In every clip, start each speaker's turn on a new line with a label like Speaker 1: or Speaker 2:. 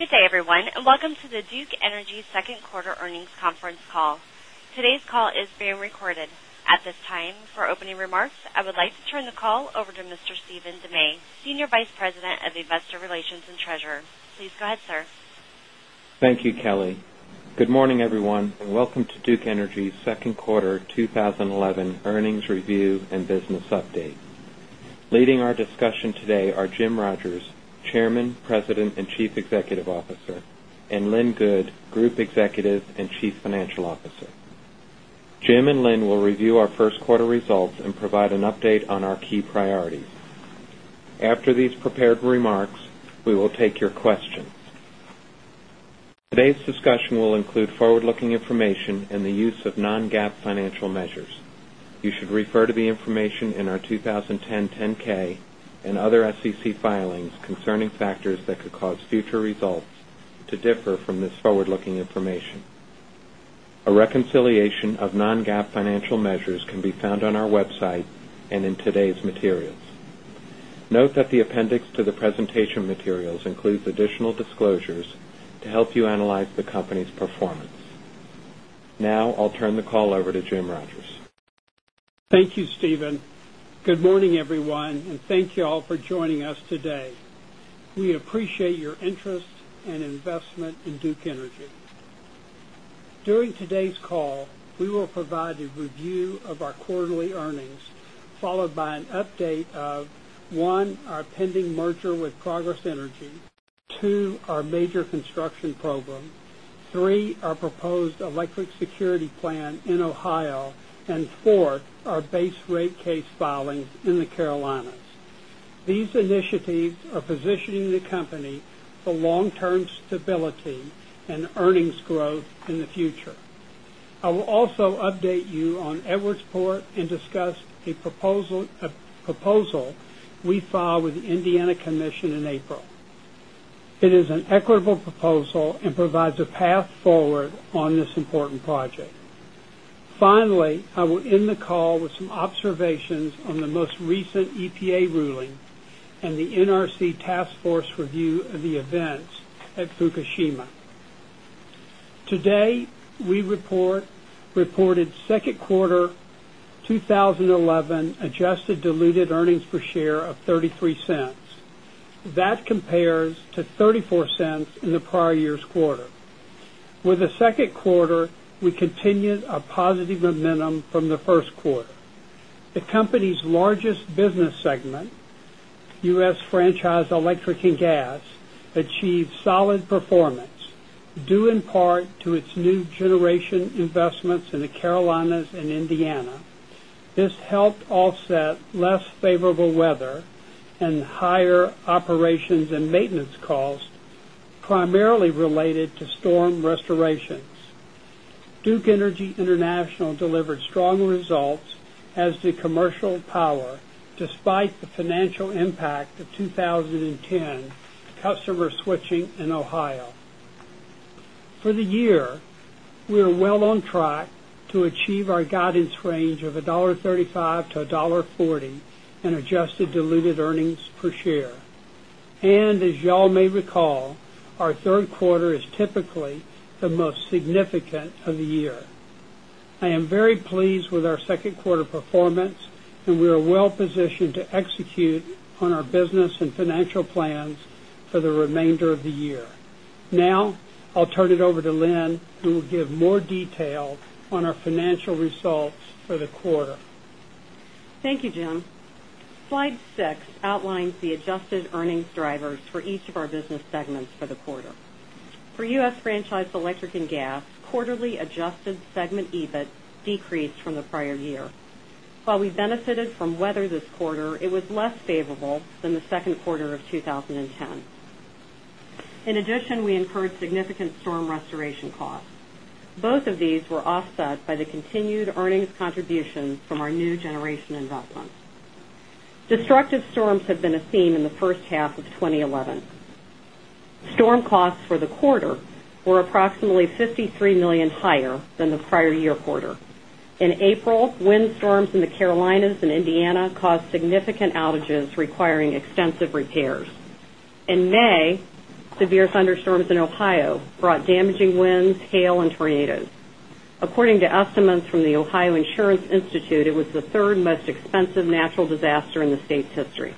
Speaker 1: Good day, everyone, and welcome to the Duke Energy Second Quarter Earnings Conference Call. Today's call is being recorded. At this time, for opening remarks, I would like to turn the call over to Mr. Stephen De May, Senior Vice President of Investor Relations and Treasury. Please go ahead, sir.
Speaker 2: Thank you, Kelly. Good morning, everyone, and welcome to Duke Energy's Second Quarter 2011 Earnings Review and Business Update. Leading our discussion today are Jim Rogers, Chairman, President and Chief Executive Officer, and Lynn Good, Group Executive and Chief Financial Officer. Jim and Lynn will review our first quarter results and provide an update on our key priorities. After these prepared remarks, we will take your questions. Today's discussion will include forward-looking information and the use of non-GAAP financial measures. You should refer to the information in our 2010 10-K and other SEC filings concerning factors that could cause future results to differ from this forward-looking information. A reconciliation of non-GAAP financial measures can be found on our website and in today's materials. Note that the appendix to the presentation materials includes additional disclosures to help you analyze the company's performance. Now, I'll turn the call over to Jim Rogers.
Speaker 3: Thank you, Stephen. Good morning, everyone, and thank you all for joining us today. We appreciate your interest and investment in Duke Energy. During today's call, we will provide a review of our quarterly earnings, followed by an update of, one, our pending merger with Progress Energy, two, our major construction program, three, our proposed Electric Security Plan in Ohio, and fourth, our base rate case filings in the Carolinas. These initiatives are positioning the company for long-term stability and earnings growth in the future. I will also update you on Edwardsport and discuss a proposal we filed with the Indiana Commission in April. It is an equitable proposal and provides a path forward on this important project. Finally, I will end the call with some observations on the most recent EPA ruling and the NRC Task Force review of the events at Fukushima. Today, we reported second quarter 2011 adjusted diluted earnings per share of $0.33. That compares to $0.34 in the prior year's quarter. With the second quarter, we continued a positive momentum from the first quarter. The company's largest business segment, U.S. franchise electric and gas, achieved solid performance, due in part to its new generation investments in the Carolinas and Indiana. This helped offset less favorable weather and higher operations and maintenance costs, primarily related to storm restorations. Duke Energy International delivered strong results as did Commercial Power, despite the financial impact of 2010 customer switching in Ohio. For the year, we are well on track to achieve our guidance range of $1.35-$1.40 in adjusted diluted earnings per share. As you all may recall, our third quarter is typically the most significant of the year. I am very pleased with our second quarter performance, and we are well positioned to execute on our business and financial plans for the remainder of the year. Now, I'll turn it over to Lynn, who will give more detail on our financial results for the quarter.
Speaker 4: Thank you, Jim. Slide 6 outlines the adjusted earnings drivers for each of our business segments for the quarter. For U.S. franchise electric and gas, quarterly adjusted segment EBIT decreased from the prior year. While we benefited from weather this quarter, it was less favorable than the second quarter of 2010. In addition, we incurred significant storm restoration costs. Both of these were offset by the continued earnings contribution from our new generation investments. Destructive storms have been a theme in the first half of 2011. Storm costs for the quarter were approximately $53 million higher than the prior year quarter. In April, windstorms in the Carolinas and Indiana caused significant outages requiring extensive repairs. In May, severe thunderstorms in Ohio brought damaging winds, hail, and tornadoes. According to estimates from the Ohio Insurance Institute, it was the third most expensive natural disaster in the state's history.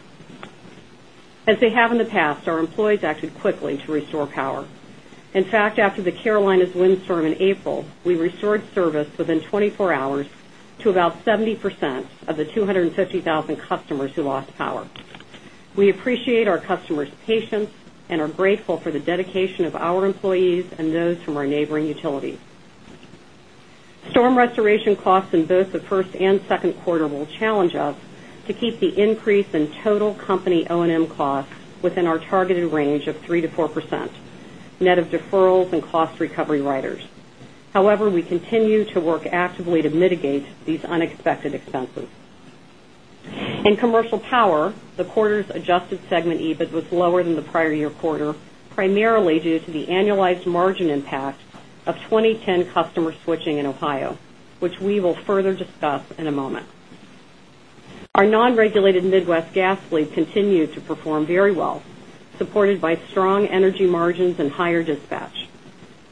Speaker 4: As they have in the past, our employees acted quickly to restore power. In fact, after the Carolinas windstorm in April, we restored service within 24 hours to about 70% of the 250,000 customers who lost power. We appreciate our customers' patience and are grateful for the dedication of our employees and those from our neighboring utilities. Storm restoration costs in both the first and second quarter will challenge us to keep the increase in total company O&M costs within our targeted range of 3%-4%, net of deferrals and cost recovery riders. However, we continue to work actively to mitigate these unexpected expenses. In Commercial Power, the quarter's adjusted segment EBIT was lower than the prior year quarter, primarily due to the annualized margin impact of 2010 customer switching in Ohio, which we will further discuss in a moment. Our non-regulated Midwest gas fleet continued to perform very well, supported by strong energy margins and higher dispatch.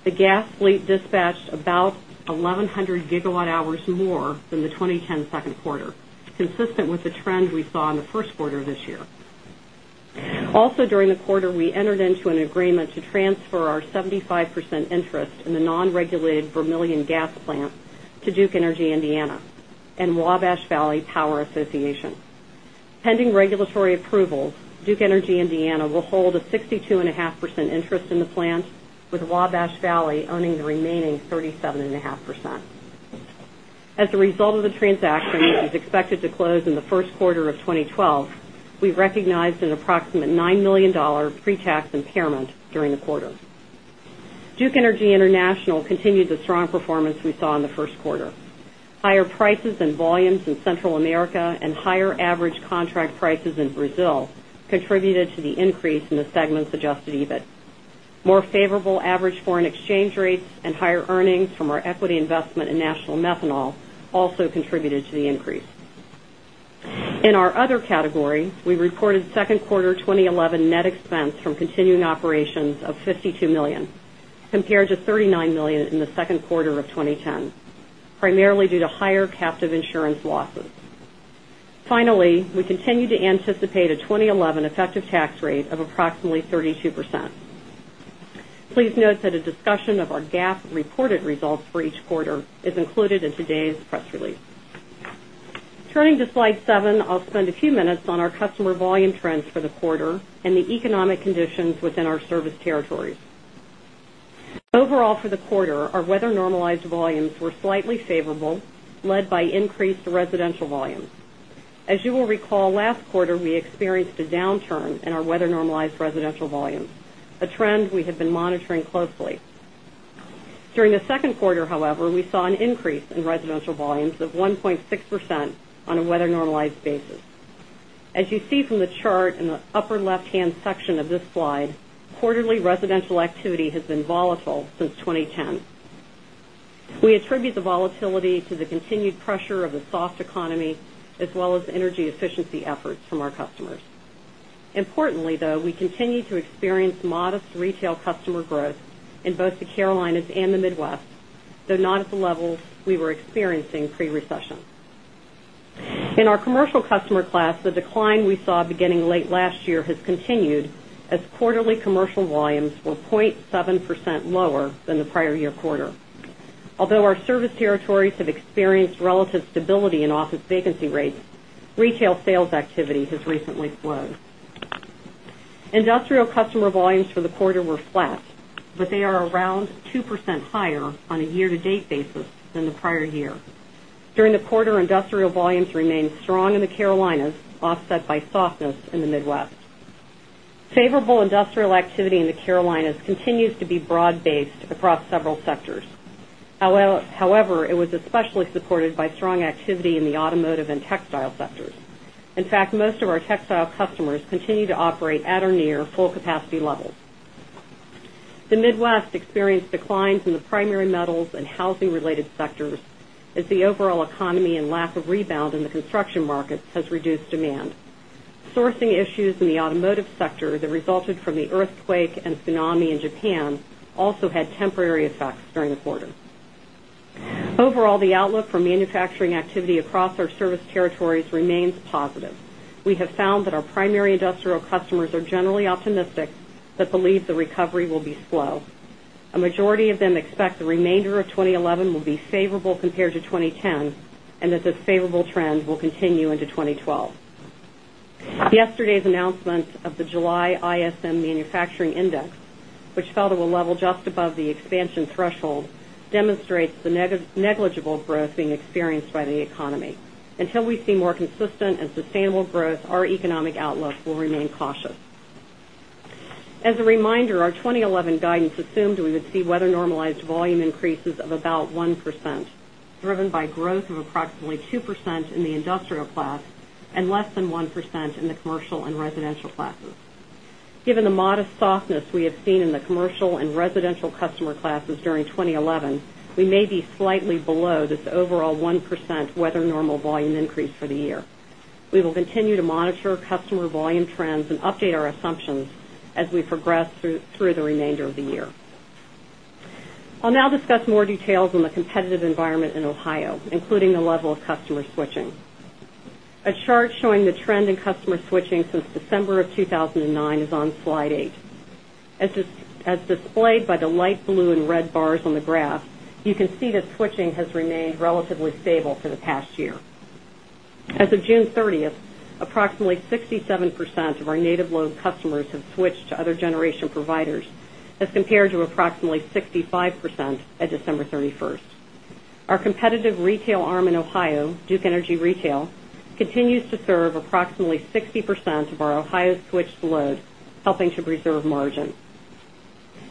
Speaker 4: The gas fleet dispatched about 1,100 GWh more than the 2010 second quarter, consistent with the trend we saw in the first quarter of this year. Also, during the quarter, we entered into an agreement to transfer our 75% interest in the non-regulated Vermilion Gas Plant to Duke Energy Indiana and Wabash Valley Power Association. Pending regulatory approval, Duke Energy Indiana will hold a 62.5% interest in the plant, with Wabash Valley earning the remaining 37.5%. As a result of the transactions, which is expected to close in the first quarter of 2012, we recognized an approximate $9 million pre-tax impairment during the quarter. Duke Energy International continued the strong performance we saw in the first quarter. Higher prices and volumes in Central America and higher average contract prices in Brazil contributed to the increase in the segment's adjusted EBIT. More favorable average foreign exchange rates and higher earnings from our equity investment in National Methanol also contributed to the increase. In our other category, we reported second quarter 2011 net expense from continuing operations of $52 million, compared to $39 million in the second quarter of 2010, primarily due to higher captive insurance losses. Finally, we continue to anticipate a 2011 effective tax rate of approximately 32%. Please note that a discussion of our GAAP reported results for each quarter is included in today's press release. Turning to slide 7, I'll spend a few minutes on our customer volume trends for the quarter and the economic conditions within our service territories. Overall, for the quarter, our weather normalized volumes were slightly favorable, led by increased residential volume. As you will recall, last quarter we experienced a downturn in our weather normalized residential volume, a trend we had been monitoring closely. During the second quarter, however, we saw an increase in residential volumes of 1.6% on a weather normalized basis. As you see from the chart in the upper left-hand section of this slide, quarterly residential activity has been volatile since 2010. We attribute the volatility to the continued pressure of the soft economy, as well as energy efficiency efforts from our customers. Importantly, though, we continue to experience modest retail customer growth in both the Carolinas and the Midwest, though not at the levels we were experiencing pre-recession. In our commercial customer class, the decline we saw beginning late last year has continued, as quarterly commercial volumes were 0.7% lower than the prior year quarter. Although our service territories have experienced relative stability in office vacancy rates, retail sales activity has recently slowed. Industrial customer volumes for the quarter were flat, but they are around 2% higher on a year-to-date basis than the prior year. During the quarter, industrial volumes remained strong in the Carolinas, offset by softness in the Midwest. Favorable industrial activity in the Carolinas continues to be broad-based across several sectors. However, it was especially supported by strong activity in the automotive and textile sectors. In fact, most of our textile customers continue to operate at or near full-capacity levels. The Midwest experienced declines in the primary metals and housing-related sectors, as the overall economy and lack of rebound in the construction markets have reduced demand. Sourcing issues in the automotive sector that resulted from the earthquake and tsunami in Japan also had temporary effects during the quarter. Overall, the outlook for manufacturing activity across our service territories remains positive. We have found that our primary industrial customers are generally optimistic but believe the recovery will be slow. A majority of them expect the remainder of 2011 will be favorable compared to 2010 and that the favorable trend will continue into 2012. Yesterday's announcement of the July ISM Manufacturing Index, which fell to a level just above the expansion threshold, demonstrates the negligible growth being experienced by the economy. Until we see more consistent and sustainable growth, our economic outlook will remain cautious. As a reminder, our 2011 guidance assumed we would see weather normalized volume increases of about 1%, driven by growth of approximately 2% in the industrial class and less than 1% in the commercial and residential classes. Given the modest softness we have seen in the commercial and residential customer classes during 2011, we may be slightly below this overall 1% weather normal volume increase for the year. We will continue to monitor customer volume trends and update our assumptions as we progress through the remainder of the year. I'll now discuss more details on the competitive environment in Ohio, including the level of customer switching. A chart showing the trend in customer switching since December of 2009 is on slide 8. As displayed by the light blue and red bars on the graph, you can see that switching has remained relatively stable for the past year. As of June 30, approximately 67% of our native-load customers have switched to other generation providers, as compared to approximately 65% at December 31. Our competitive retail arm in Ohio, Duke Energy Retail, continues to serve approximately 60% of our Ohio switched load, helping to preserve margins.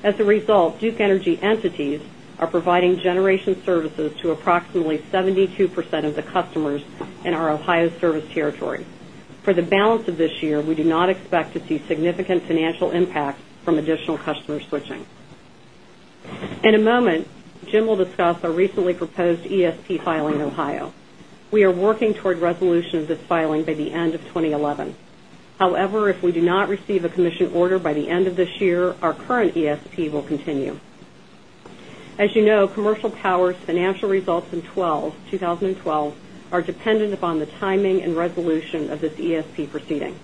Speaker 4: As a result, Duke Energy entities are providing generation services to approximately 72% of the customers in our Ohio service territory. For the balance of this year, we do not expect to see significant financial impact from additional customer switching. In a moment, Jim will discuss our recently proposed ESP filing in Ohio. We are working toward resolution of this filing by the end of 2011. However, if we do not receive a commission order by the end of this year, our current ESP will continue. As you know, Commercial Power's financial results in 2012 are dependent upon the timing and resolution of this ESP proceeding,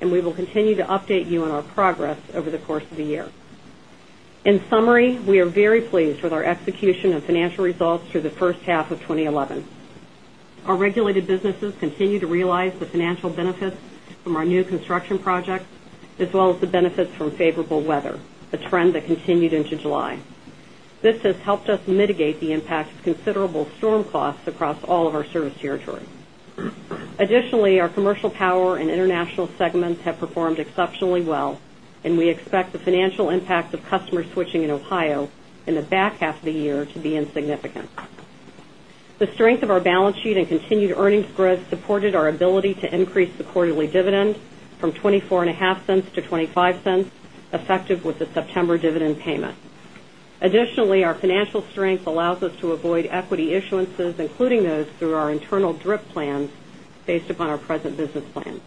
Speaker 4: and we will continue to update you on our progress over the course of the year. In summary, we are very pleased with our execution of financial results for the first half of 2011. Our regulated businesses continue to realize the financial benefits from our new construction projects, as well as the benefits from favorable weather, a trend that continued into July. This has helped us mitigate the impact of considerable storm costs across all of our service territory. Additionally, our Commercial Power and International segments have performed exceptionally well, and we expect the financial impact of customer switching in Ohio in the back half of the year to be insignificant. The strength of our balance sheet and continued earnings growth supported our ability to increase the quarterly dividend from $0.2450 to $0.25, effective with the September dividend payment. Additionally, our financial strength allows us to avoid equity issuances, including those through our internal drip plans, based upon our present business plans.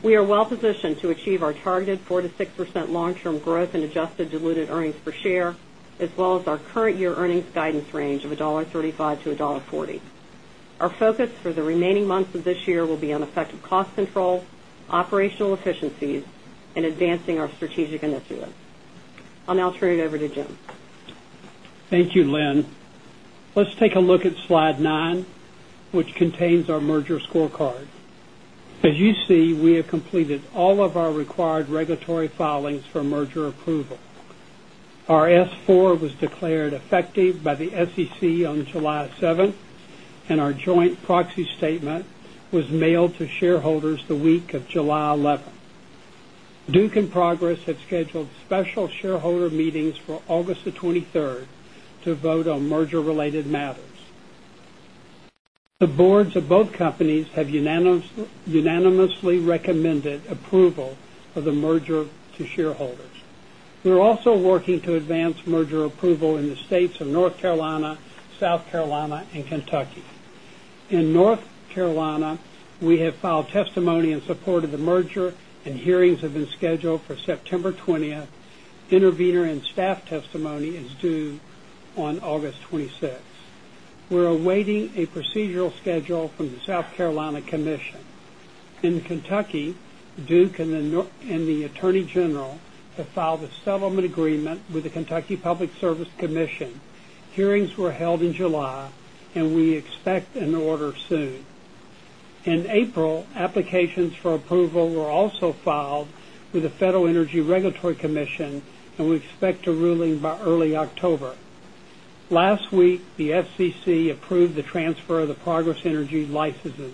Speaker 4: We are well positioned to achieve our targeted 4%-6% long-term growth in adjusted diluted earnings per share, as well as our current year earnings guidance range of $1.35-$1.40. Our focus for the remaining months of this year will be on effective cost control, operational efficiencies, and advancing our strategic initiatives. I'll now turn it over to Jim.
Speaker 3: Thank you, Lynn. Let's take a look at slide 9, which contains our merger scorecard. As you see, we have completed all of our required regulatory filings for merger approval. Our S-4 was declared effective by the SEC on July 7, and our joint proxy statement was mailed to shareholders the week of July 11. Duke and Progress have scheduled special shareholder meetings for August 23 to vote on merger-related matters. The boards of both companies have unanimously recommended approval of the merger to shareholders. We're also working to advance merger approval in the states of North Carolina, South Carolina, and Kentucky. In North Carolina, we have filed testimony in support of the merger, and hearings have been scheduled for September 20. Intervener and staff testimony is due on August 26. We're awaiting a procedural schedule from the South Carolina Commission. In Kentucky, Duke and the Attorney General have filed a settlement agreement with the Kentucky Public Service Commission. Hearings were held in July, and we expect an order soon. In April, applications for approval were also filed with the Federal Energy Regulatory Commission, and we expect a ruling by early October. Last week, the FCC approved the transfer of the Progress Energy licenses.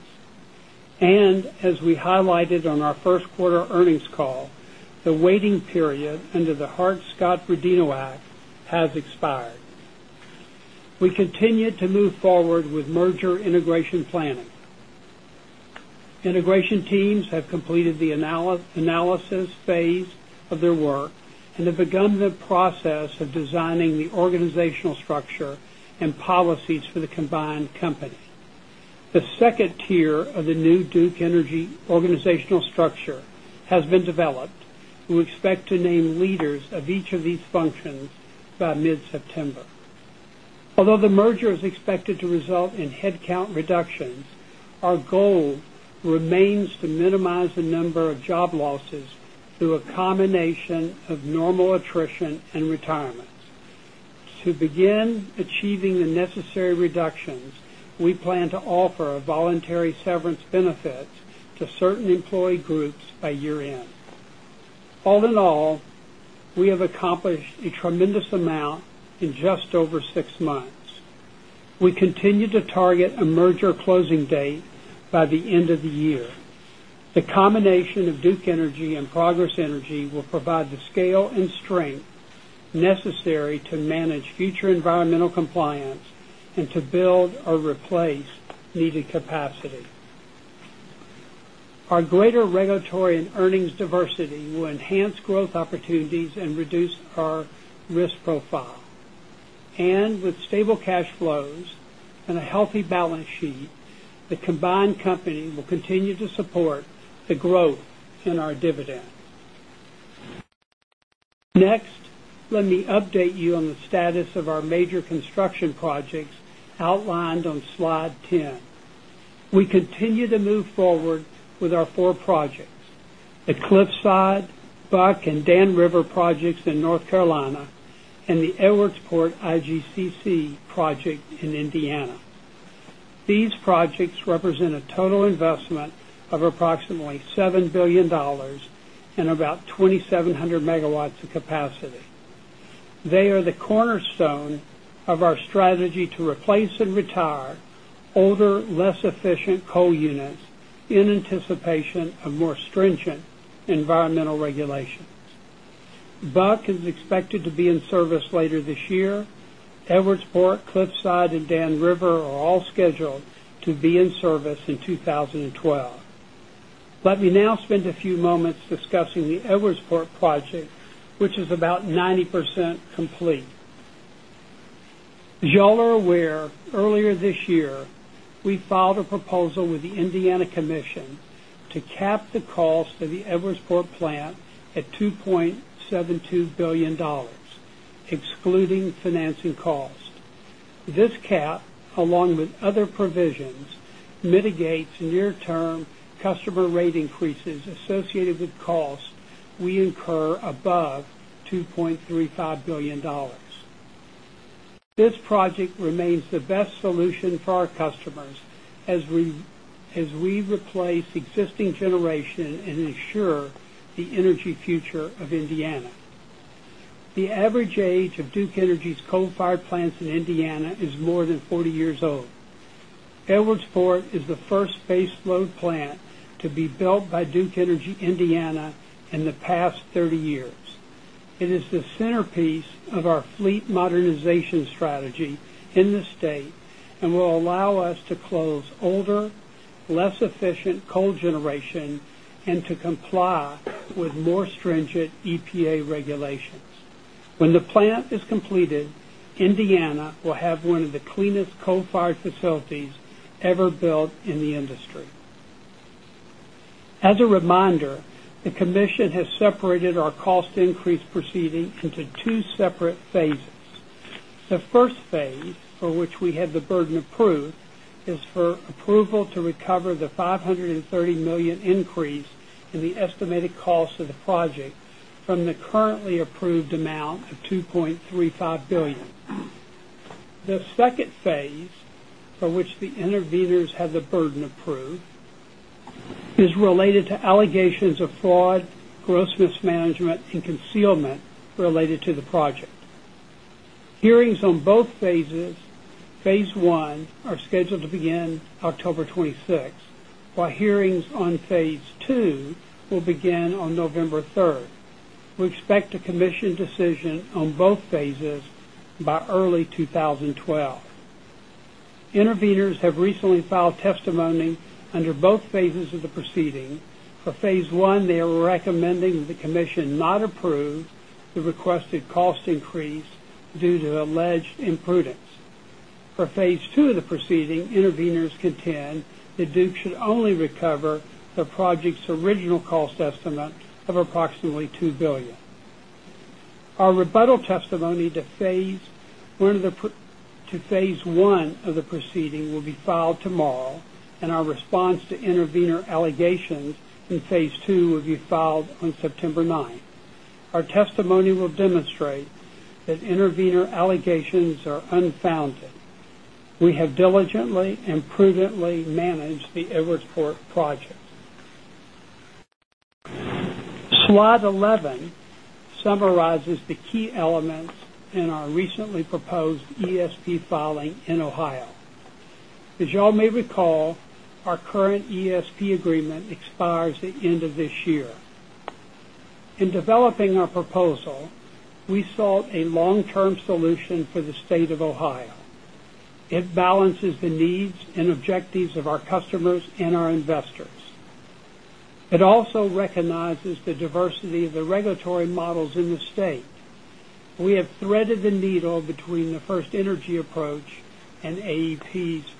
Speaker 3: As we highlighted on our first quarter earnings call, the waiting period under the Hart-Scott-Rodino Act has expired. We continue to move forward with merger integration planning. Integration teams have completed the analysis phase of their work and have begun the process of designing the organizational structure and policies for the combined company. The second tier of the new Duke Energy organizational structure has been developed. We expect to name leaders of each of these functions by mid-September. Although the merger is expected to result in headcount reductions, our goal remains to minimize the number of job losses through a combination of normal attrition and retirements. To begin achieving the necessary reductions, we plan to offer voluntary severance benefits to certain employee groups by year-end. All in all, we have accomplished a tremendous amount in just over six months. We continue to target a merger closing date by the end of the year. The combination of Duke Energy and Progress Energy will provide the scale and strength necessary to manage future environmental compliance and to build or replace needed capacity. Our greater regulatory and earnings diversity will enhance growth opportunities and reduce our risk profile. With stable cash flows and a healthy balance sheet, the combined company will continue to support the growth in our dividend. Next, let me update you on the status of our major construction projects outlined on slide 10. We continue to move forward with our four projects: the Cliffside, Buck, and Dan River projects in North Carolina, and the Edwardsport IGCC project in Indiana. These projects represent a total investment of approximately $7 billion and about 2,700 MW of capacity. They are the cornerstone of our strategy to replace and retire older, less efficient coal units in anticipation of more stringent environmental regulations. Buck is expected to be in service later this year. Edwardsport, Cliffside, and Dan River are all scheduled to be in service in 2012. Let me now spend a few moments discussing the Edwardsport project, which is about 90% complete. As you all are aware, earlier this year, we filed a proposal with the Indiana Commission to cap the cost of the Edwardsport plant at $2.72 billion, excluding financing costs. This cap, along with other provisions, mitigates near-term customer rate increases associated with costs we incur above $2.35 billion. This project remains the best solution for our customers as we replace existing generation and ensure the energy future of Indiana. The average age of Duke Energy's coal-fired plants in Indiana is more than 40 years old. Edwardsport is the first base-load plant to be built by Duke Energy Indiana in the past 30 years. It is the centerpiece of our fleet modernization strategy in the state and will allow us to close older, less efficient coal generation and to comply with more stringent EPA regulations. When the plant is completed, Indiana will have one of the cleanest coal-fired facilities ever built in the industry. As a reminder, the Commission has separated our cost increase proceeding into two separate phases. The first phase, for which we have the burden of proof, is for approval to recover the $530 million increase in the estimated cost of the project from the currently approved amount of $2.35 billion. The second phase, for which the interveners have the burden of proof, is related to allegations of fraud, gross mismanagement, and concealment related to the project. Hearings on both phases, phase I, are scheduled to begin October 26, while hearings on phase II will begin on November 3. We expect a Commission decision on both phases by early 2012. Interveners have recently filed testimony under both phases of the proceeding. For phase 1, they are recommending the Commission not approve the requested cost increase due to alleged imprudence. For phase II of the proceeding, interveners contend that Duke should only recover the project's original cost estimate of approximately $2 billion. Our rebuttal testimony to phase II of the proceeding will be filed tomorrow, and our response to intervener allegations in phase II will be filed on September 9. Our testimony will demonstrate that intervener allegations are unfounded. We have diligently and prudently managed the Edwardsport project. Slide 11 summarizes the key elements in our recently proposed Electric Security Plan filing in Ohio. As you all may recall, our current ESP agreement expires at the end of this year. In developing our proposal, we sought a long-term solution for the state of Ohio. It balances the needs and objectives of our customers and our investors. It also recognizes the diversity of the regulatory models in the state. We have threaded the needle between the FirstEnergy approach and AEP's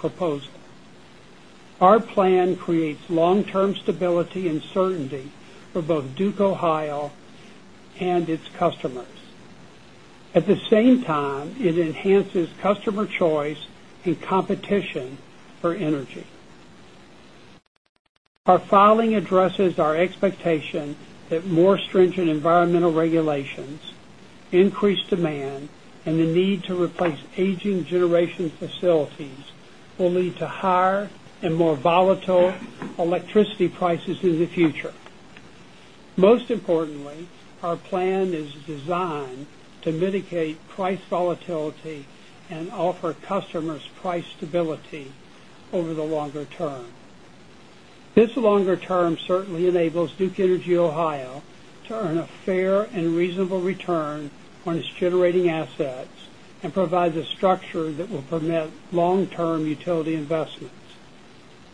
Speaker 3: proposal. Our plan creates long-term stability and certainty for both Duke Energy Ohio and its customers. At the same time, it enhances customer choice and competition for energy. Our filing addresses our expectations that more stringent environmental regulations, increased demand, and the need to replace aging generation facilities will lead to higher and more volatile electricity prices in the future. Most importantly, our plan is designed to mitigate price volatility and offer customers price stability over the longer term. This longer term certainly enables Duke Energy Ohio to earn a fair and reasonable return on its generating assets and provide the structure that will permit long-term utility investments.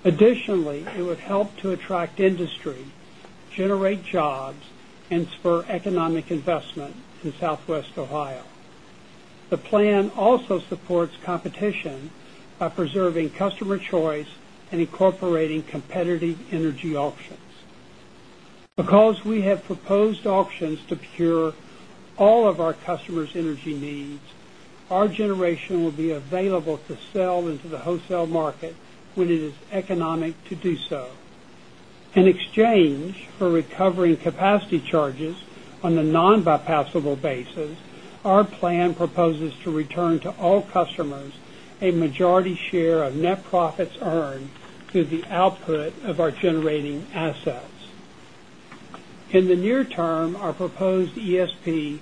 Speaker 3: Additionally, it would help to attract industry, generate jobs, and spur economic investment in Southwest Ohio. The plan also supports competition by preserving customer choice and incorporating competitive energy options. Because we have proposed options to procure all of our customers' energy needs, our generation will be available to sell into the wholesale market when it is economic to do so. In exchange for recovering capacity charges on a non-bypassable basis, our plan proposes to return to all customers a majority share of net profits earned through the output of our generating assets. In the near term, our proposed ESP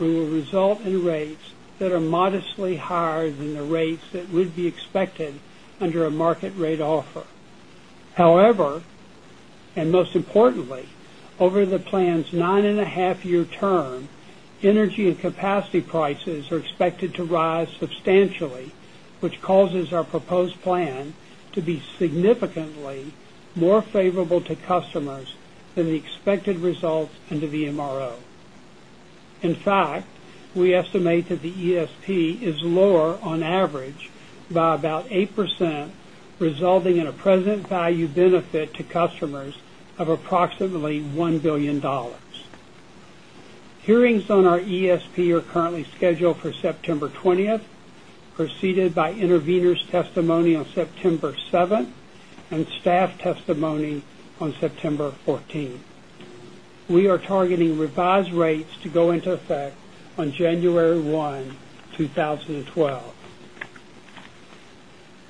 Speaker 3: will result in rates that are modestly higher than the rates that would be expected under a market rate offer. However, and most importantly, over the plan's nine-and-a-half-year term, energy and capacity prices are expected to rise substantially, which causes our proposed plan to be significantly more favorable to customers than the expected results into the MRO. In fact, we estimate that the ESP is lower on average by about 8%, resulting in a present value benefit to customers of approximately $1 billion. Hearings on our ESP are currently scheduled for September 20, preceded by interveners' testimony on September 7 and staff testimony on September 14. We are targeting revised rates to go into effect on January 1, 2012.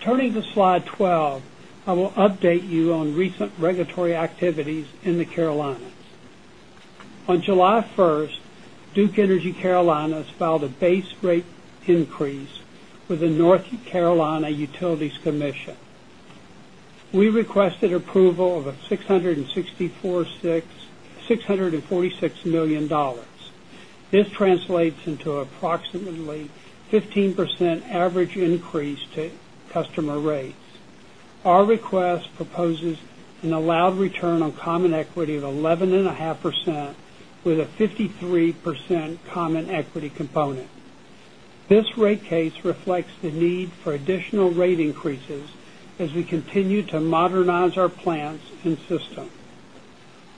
Speaker 3: Turning to slide 12, I will update you on recent regulatory activities in the Carolinas. On July 1, Duke Energy Carolinas filed a base rate increase for the North Carolina Utilities Commission. We requested approval of $646 million. This translates into approximately a 15% average increase to customer rates. Our request proposes an allowed return on common equity of 11.5%, with a 53% common equity component. This rate case reflects the need for additional rate increases as we continue to modernize our plants and system.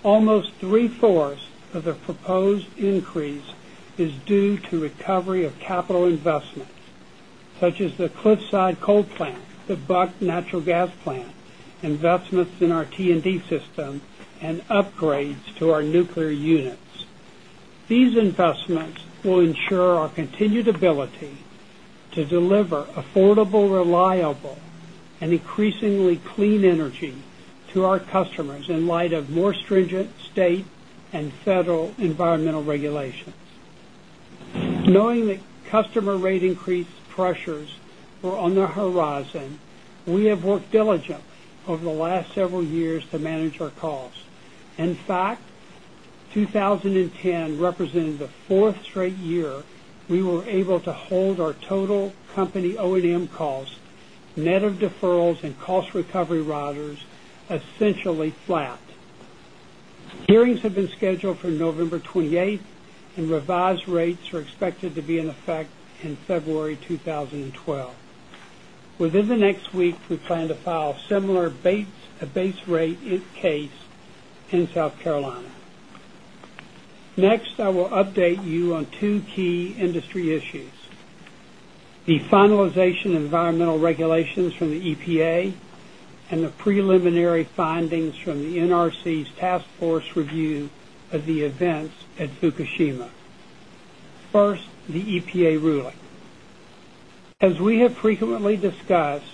Speaker 3: Almost three-fourths of the proposed increase is due to recovery of capital investments, such as the Cliffside coal plant, the Buck Natural Gas Plant, investments in our T&D system, and upgrades to our nuclear units. These investments will ensure our continued ability to deliver affordable, reliable, and increasingly clean energy to our customers in light of more stringent state and federal environmental regulations. Knowing that customer rate increase pressures were on the horizon, we have worked diligently over the last several years to manage our costs. In fact, 2010 represented the fourth straight year we were able to hold our total company O&M costs, net of deferrals and cost recovery riders, essentially flat. Hearings have been scheduled for November 28, and revised rates are expected to be in effect in February 2012. Within the next week, we plan to file a similar base rate case in South Carolina. Next, I will update you on two key industry issues: the finalization of environmental regulations from the EPA and the preliminary findings from the NRC's Task Force review of the events at Fukushima. First, the EPA ruling. As we have frequently discussed,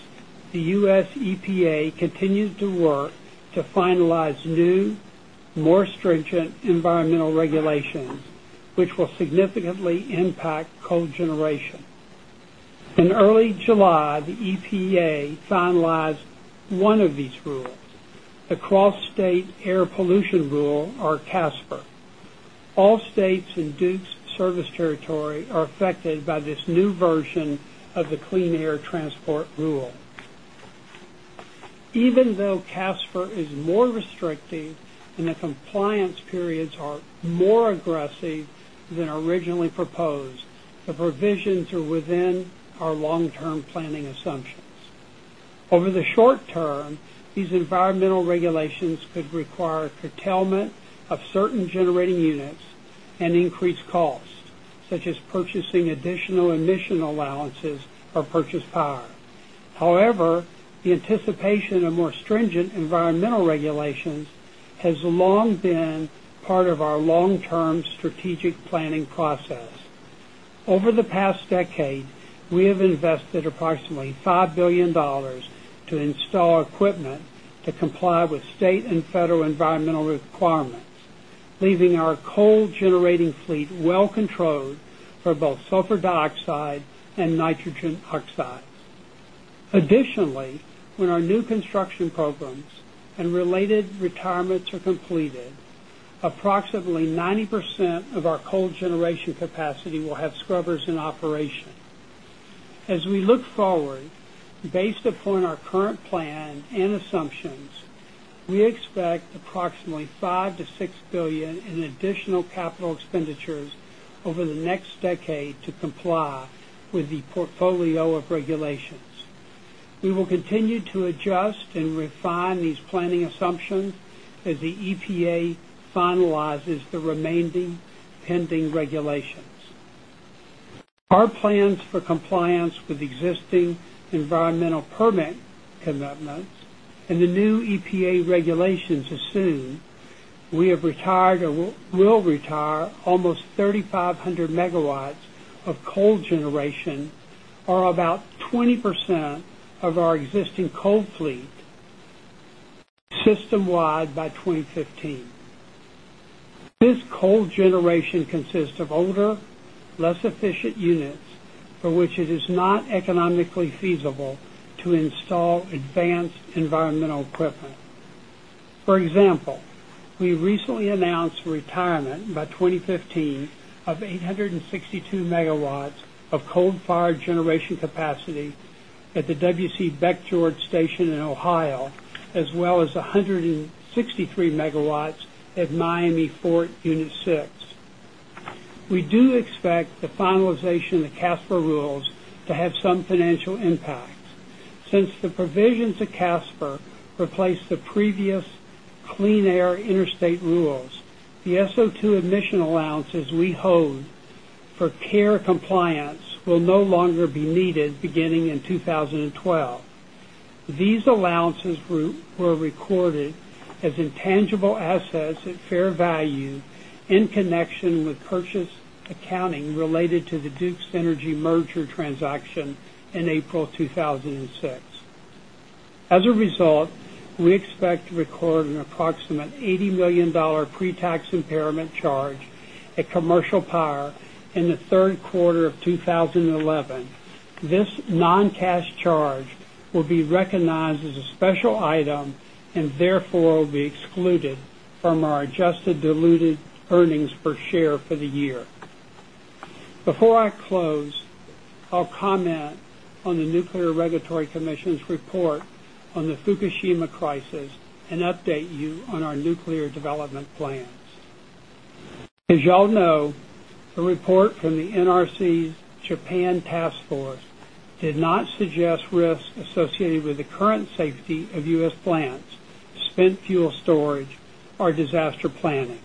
Speaker 3: the U.S. EPA continues to work to finalize new, more stringent environmental regulations, which will significantly impact coal generation. In early July, the EPA finalized one of these rules, a Cross-State Air Pollution Rule, or CSAPR. All states in Duke Energy's service territory are affected by this new version of the Clean Air Transport Rule. Even though CSAPR is more restrictive and the compliance periods are more aggressive than originally proposed, the provisions are within our long-term planning assumptions. Over the short term, these environmental regulations could require curtailment of certain generating units and increased costs, such as purchasing additional emission allowances or purchased power. However, the anticipation of more stringent environmental regulations has long been part of our long-term strategic planning process. Over the past decade, we have invested approximately $5 billion to install equipment to comply with state and federal environmental requirements, leaving our coal generating fleet well controlled for both sulfur dioxide and nitrogen oxides. Additionally, when our new construction programs and related retirements are completed, approximately 90% of our coal generation capacity will have scrubbers in operation. As we look forward, based upon our current plan and assumptions, we expect approximately $5 billion-$6 billion in additional capital expenditures over the next decade to comply with the portfolio of regulations. We will continue to adjust and refine these planning assumptions as the EPA finalizes the remaining pending regulations. Our plans for compliance with existing environmental permit commitments and the new EPA regulations assume we have retired or will retire almost 3,500 MW of coal generation, or about 20% of our existing coal fleet system-wide by 2015. This coal generation consists of older, less efficient units for which it is not economically feasible to install advanced environmental equipment. For example, we recently announced retirement by 2015 of 862 MW of coal-fired generation capacity at the W.C. Beckjord Station in Ohio, as well as 163 MW at Miami Fort Unit 6. We do expect the finalization of the CSAPR rules to have some financial impact. Since the provisions of CSAPR replace the previous Clean Air Interstate rules, the SO2 emission allowances we hold for CARE compliance will no longer be needed beginning in 2012. These allowances were recorded as intangible assets at fair value in connection with purchase accounting related to the Duke Energy merger transaction in April 2006. As a result, we expect to record an approximate $80 million pre-tax impairment charge at Commercial Power in the third quarter of 2011. This non-cash charge will be recognized as a special item and therefore will be excluded from our adjusted diluted earnings per share for the year. Before I close, I'll comment on the Nuclear Regulatory Commission's report on the Fukushima crisis and update you on our nuclear development plans. As you all know, the report from the NRC's Japan Task Force did not suggest risks associated with the current safety of U.S. plants, spent fuel storage, or disaster planning.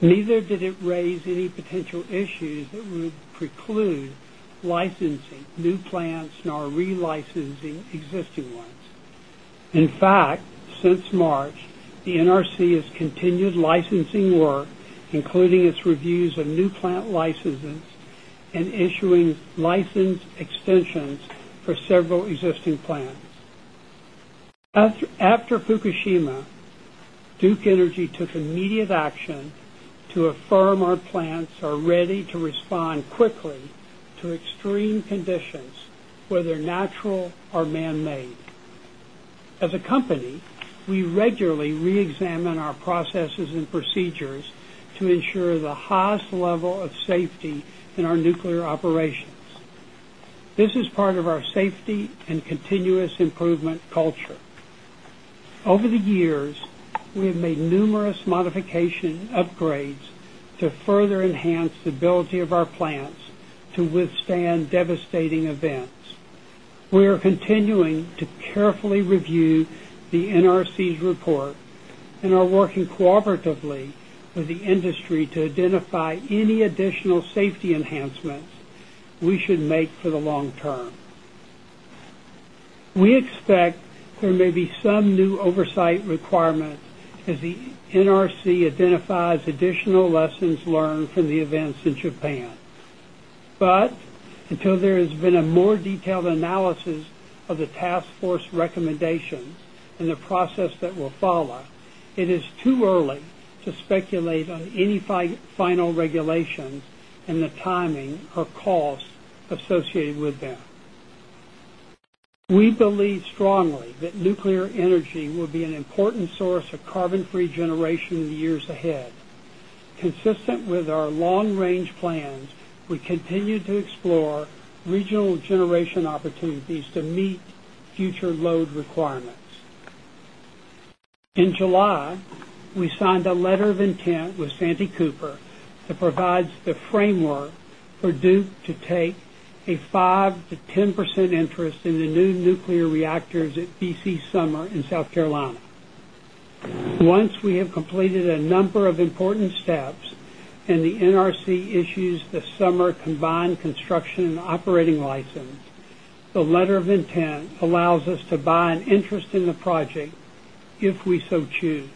Speaker 3: Neither did it raise any potential issues that would preclude licensing new plants nor re-licensing existing ones. In fact, since March, the NRC has continued licensing work, including its reviews of new plant licenses and issuing license extensions for several existing plants. After Fukushima, Duke Energy took immediate action to affirm our plants are ready to respond quickly to extreme conditions, whether natural or man-made. As a company, we regularly reexamine our processes and procedures to ensure the highest level of safety in our nuclear operations. This is part of our safety and continuous improvement culture. Over the years, we have made numerous modifications and upgrades to further enhance the ability of our plants to withstand devastating events. We are continuing to carefully review the NRC's report and are working cooperatively with the industry to identify any additional safety enhancements we should make for the long term. We expect there may be some new oversight requirements as the NRC identifies additional lessons learned from the events in Japan. Until there has been a more detailed analysis of the Task Force recommendations and the process that will follow, it is too early to speculate on any final regulations and the timing or costs associated with them. We believe strongly that nuclear energy will be an important source of carbon-free generation in the years ahead. Consistent with our long-range plans, we continue to explore regional generation opportunities to meet future load requirements. In July, we signed a letter of intent with Santee Cooper that provides the framework for Duke Energy to take a 5%-10% interest in the new nuclear reactors at V.C. Summer in South Carolina. Once we have completed a number of important steps and the NRC issues the Summer Combined Construction and Operating License, the letter of intent allows us to buy an interest in the project if we so choose.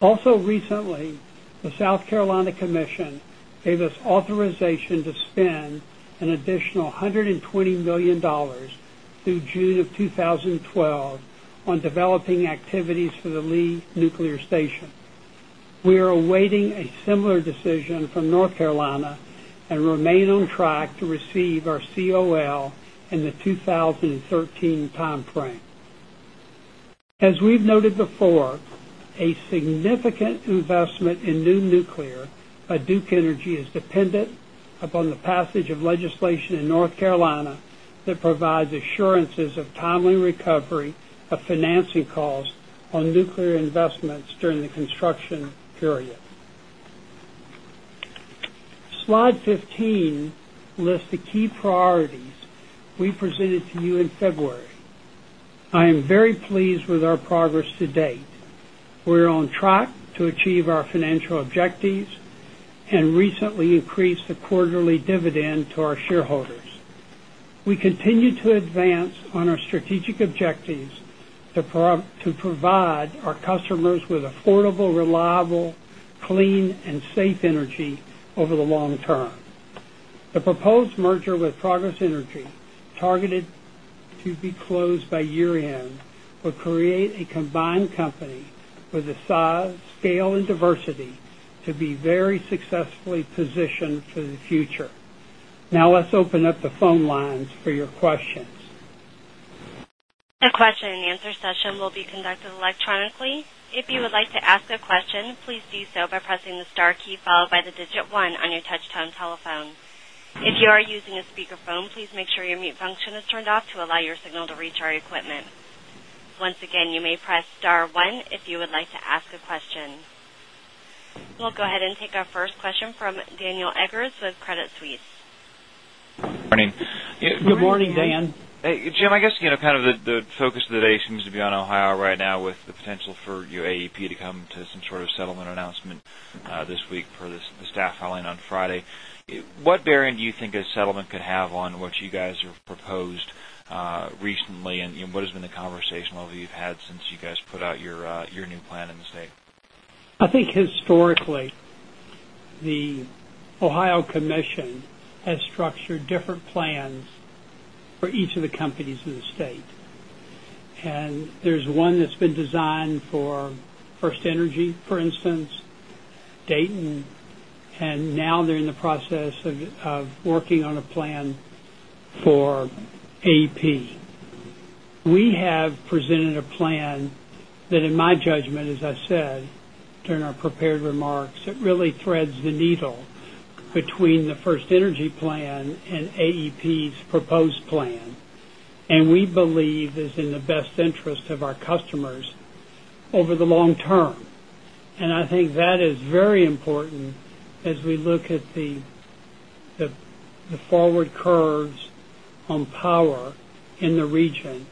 Speaker 3: Also, recently, the South Carolina Commission gave us authorization to spend an additional $120 million through June of 2012 on development activities for the Lee Nuclear Station. We are awaiting a similar decision from North Carolina and remain on track to receive our COL in the 2013 timeframe. As we've noted before, a significant investment in new nuclear by Duke Energy is dependent upon the passage of legislation in North Carolina that provides assurances of timely recovery of financing costs on nuclear investments during the construction period. Slide 15 lists the key priorities we presented to you in February. I am very pleased with our progress to date. We are on track to achieve our financial objectives and recently increased the quarterly dividend to our shareholders. We continue to advance on our strategic objectives to provide our customers with affordable, reliable, clean, and safe energy over the long term. The proposed merger with Progress Energy, targeted to be closed by year-end, will create a combined company with a size, scale, and diversity to be very successfully positioned for the future. Now, let's open up the phone lines for your questions.
Speaker 1: A question and answer session will be conducted electronically. If you would like to ask a question, please do so by pressing the star key followed by the digit one on your touch-tone telephone. If you are using a speaker phone, please make sure your mute function is turned off to allow your signal to reach our equipment. Once again, you may press star one if you would like to ask a question. We'll go ahead and take our first question from Daniel Eggers with Credit Suisse.
Speaker 5: Morning.
Speaker 3: Good morning, Dan.
Speaker 5: Jim, I guess the focus of the day seems to be on Ohio right now with the potential for, you know, AEP to come to some sort of settlement announcement this week per the staff filing on Friday. What bearing do you think a settlement could have on what you guys have proposed recently, and what has been the conversation level you've had since you guys put out your new plan in the state?
Speaker 3: I think historically, the Ohio Commission has structured different plans for each of the companies in the state. There's one that's been designed for FirstEnergy, for instance, Dayton, and now they're in the process of working on a plan for AEP. We have presented a plan that, in my judgment, as I said during our prepared remarks, really threads the needle between the FirstEnergy plan and AEP's proposed plan. We believe it's in the best interest of our customers over the long term. I think that is very important as we look at the forward curves on power in the region.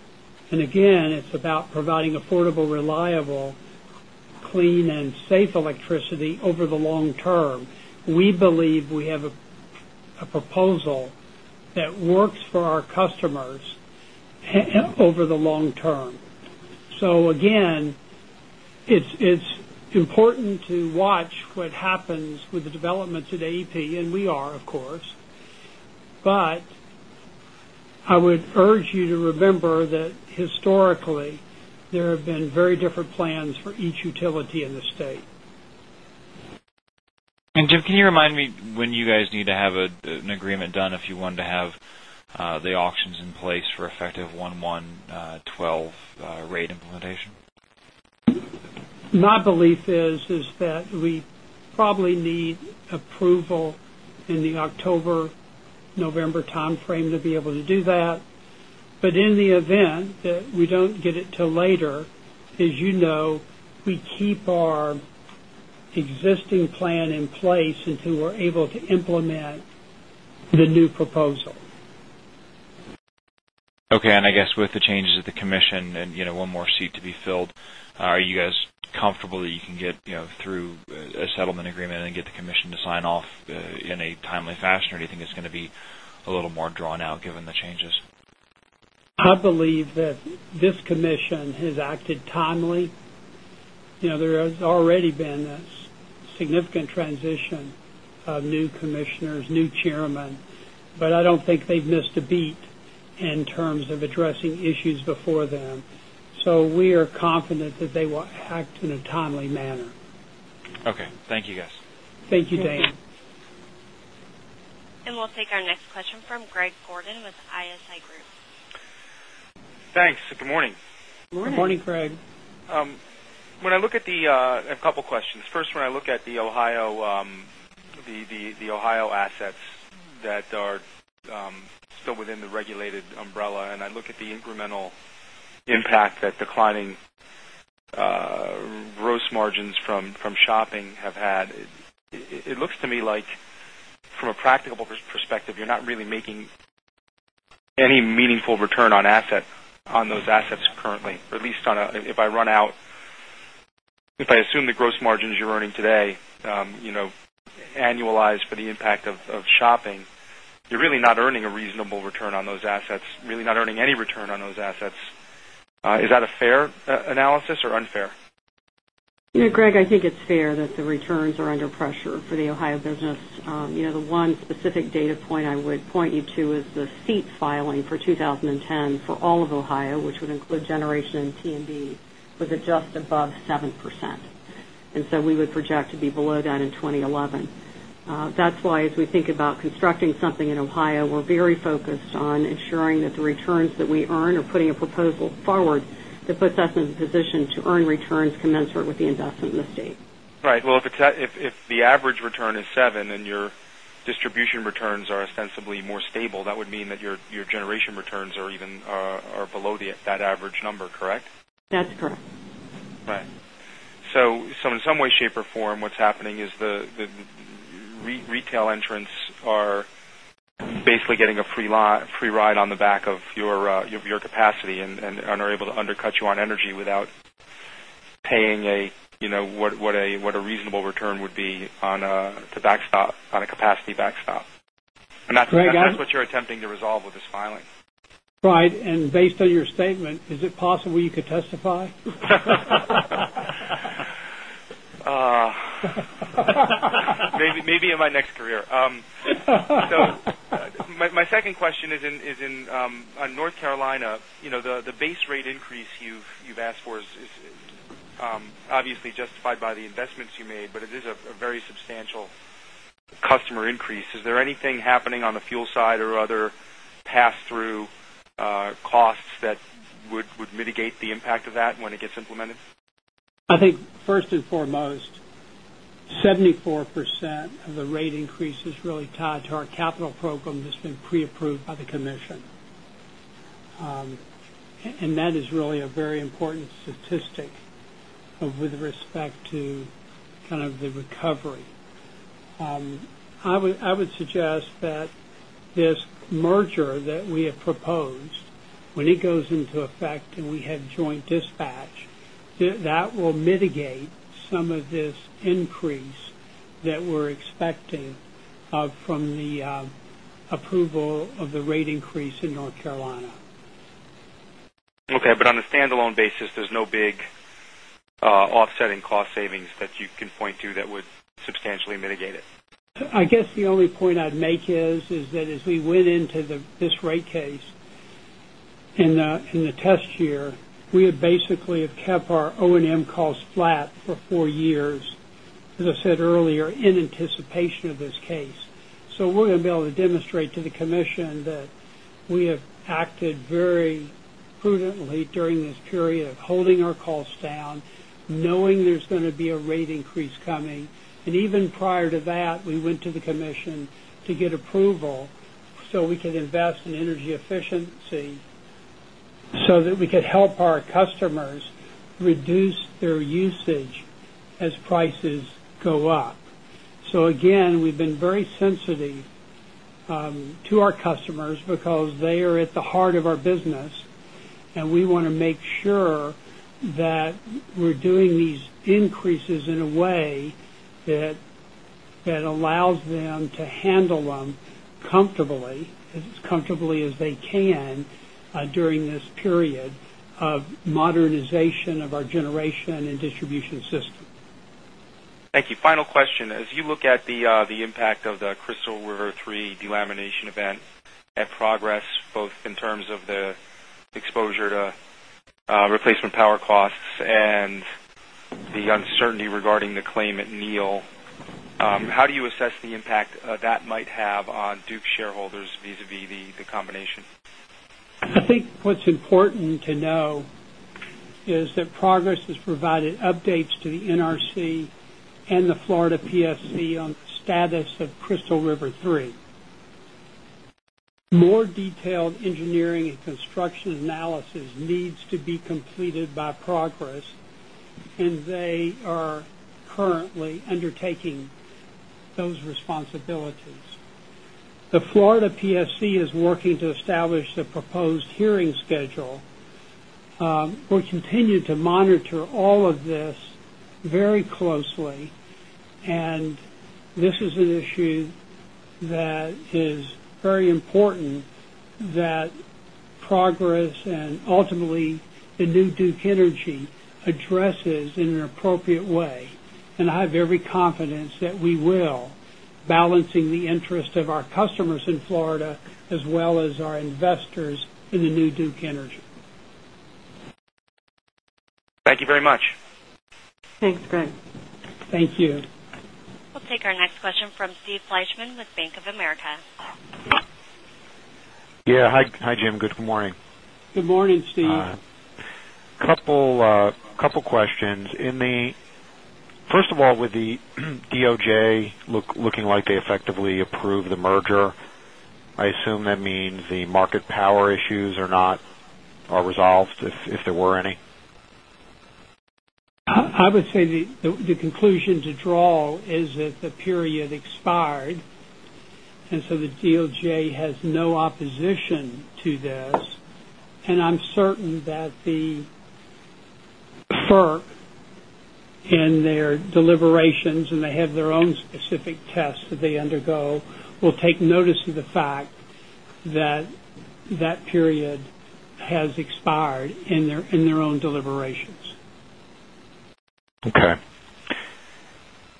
Speaker 3: It's about providing affordable, reliable, clean, and safe electricity over the long term. We believe we have a proposal that works for our customers over the long term. It's important to watch what happens with the developments at AEP, and we are, of course. I would urge you to remember that historically, there have been very different plans for each utility in the state.
Speaker 5: Jim, can you remind me when you guys need to have an agreement done if you want to have the auctions in place for effective 1/1/2012 rate implementation?
Speaker 3: My belief is that we probably need approval in the October/November timeframe to be able to do that. In the event that we don't get it till later, as you know, we keep our existing plan in place until we're able to implement the new proposal.
Speaker 5: With the changes at the commission and one more seat to be filled, are you guys comfortable that you can get through a settlement agreement and then get the commission to sign off in a timely fashion, or do you think it's going to be a little more drawn out given the changes?
Speaker 3: I believe that this commission has acted timely. There has already been a significant transition of new commissioners, new chairmen, but I don't think they've missed a beat in terms of addressing issues before them. We are confident that they will act in a timely manner.
Speaker 5: Okay, thank you, guys.
Speaker 3: Thank you, Dan.
Speaker 1: We will take our next question from Greg Gordon with Evercore ISI.
Speaker 6: Thanks. Good morning.
Speaker 4: Morning.
Speaker 3: Good morning, Greg.
Speaker 6: When I look at the Ohio assets that are still within the regulated umbrella, and I look at the incremental impact that declining gross margins from shopping have had, it looks to me like, from a practical perspective, you're not really making any meaningful return on those assets currently, or at least if I assume the gross margins you're earning today, annualized for the impact of shopping, you're really not earning a reasonable return on those assets, really not earning any return on those assets. Is that a fair analysis or unfair?
Speaker 4: You know, Greg, I think it's fair that the returns are under pressure for the Ohio business. The one specific data point I would point you to is the CEAP filing for 2010 for all of Ohio, which would include generation and T&D, was adjusted above 7%. We would project to be below that in 2011. That's why, as we think about constructing something in Ohio, we're very focused on ensuring that the returns that we earn are putting a proposal forward that puts us in a position to earn returns commensurate with the investment in the state.
Speaker 6: Right. If the average return is 7% and your distribution returns are ostensibly more stable, that would mean that your generation returns are below that average number, correct?
Speaker 4: That's correct.
Speaker 6: Right. In some way, shape, or form, what's happening is the retail entrants are basically getting a free ride on the back of your capacity and are able to undercut you on energy without paying a, you know, what a reasonable return would be on a backstop, on a capacity backstop.
Speaker 3: Right, guys.
Speaker 6: That is what you're attempting to resolve with this filing.
Speaker 3: Right. Based on your statement, is it possible you could testify?
Speaker 6: Maybe in my next career. My second question is in North Carolina, you know, the base rate increase you've asked for is obviously justified by the investments you made, but it is a very substantial customer increase. Is there anything happening on the fuel side or other pass-through costs that would mitigate the impact of that when it gets implemented?
Speaker 3: I think first and foremost, 74% of the rate increase is really tied to our capital program that's been pre-approved by the commission. That is really a very important statistic with respect to kind of the recovery. I would suggest that this merger that we have proposed, when it goes into effect and we have joint dispatch, will mitigate some of this increase that we're expecting from the approval of the rate increase in North Carolina.
Speaker 6: Okay. On a standalone basis, there's no big offsetting cost savings that you can point to that would substantially mitigate it?
Speaker 3: I guess the only point I'd make is that as we went into this rate case in the test year, we have basically kept our O&M costs flat for four years, as I said earlier, in anticipation of this case. We're going to be able to demonstrate to the commission that we have acted very prudently during this period of holding our costs down, knowing there's going to be a rate increase coming. Even prior to that, we went to the commission to get approval so we can invest in energy efficiency so that we could help our customers reduce their usage as prices go up. We've been very sensitive to our customers because they are at the heart of our business, and we want to make sure that we're doing these increases in a way that allows them to handle them comfortably, as comfortably as they can, during this period of modernization of our generation and distribution system.
Speaker 6: Thank you. Final question. As you look at the impact of the Crystal River III delamination event and progress, both in terms of the exposure to replacement power costs and the uncertainty regarding the claim at Neil, how do you assess the impact that might have on Duke shareholders vis-à-vis the combination?
Speaker 3: I think what's important to know is that Progress has provided updates to the NRC and the Florida PSC on the status of Crystal River III. More detailed engineering and construction analysis needs to be completed by Progress, and they are currently undertaking those responsibilities. The Florida PSC is working to establish a proposed hearing schedule. We'll continue to monitor all of this very closely. This is an issue that is very important that Progress and ultimately the new Duke Energy addresses in an appropriate way. I have every confidence that we will, balancing the interest of our customers in Florida as well as our investors in the new Duke Energy.
Speaker 6: Thank you very much.
Speaker 4: Thanks, Greg.
Speaker 3: Thank you.
Speaker 1: We'll take our next question from Steve Fleishman with Bank of America.
Speaker 7: Yeah. Hi, Jim. Good morning.
Speaker 3: Good morning, Steve.
Speaker 7: A couple of questions. First of all, with the DOJ looking like they effectively approved the merger, I assume that means the market power issues are not resolved if there were any?
Speaker 3: I would say the conclusion to draw is that the period expired, and the DOJ has no opposition to this. I'm certain that the FERC, in their deliberations, and they have their own specific tests that they undergo, will take notice of the fact that the period has expired in their own deliberations.
Speaker 7: Okay.